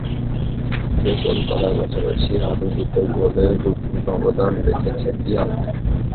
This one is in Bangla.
নিজে গোল করার পাশাপাশি আরও দুটো গোলে গুরুত্বপূর্ণ অবদান রেখেছেন ইয়াং।